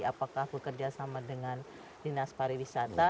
apakah bekerja sama dengan dinas pariwisata